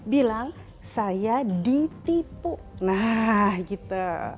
bilang saya ditipu nah gitu